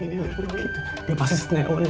di belakangnya di belakangnya di belakangnya